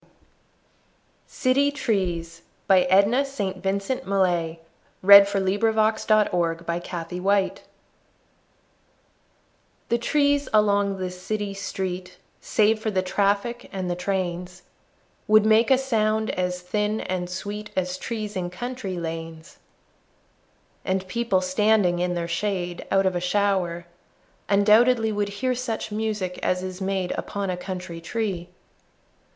mes like an idiot, babbling and strewing flowers. Edna St. Vincent Millay City Trees THE trees along this city street Save for the traffic and the trains, Would make a sound as thin and sweet As trees in country lanes. And people standing in their shade Out of a shower, undoubtedly Would hear such music as is made Upon a country tree.